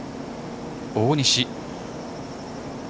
大西。